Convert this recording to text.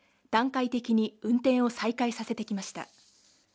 段階的に運転を再開させてきました